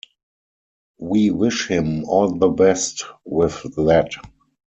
We wish him all the best with that.